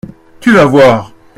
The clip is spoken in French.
Tu vas voir !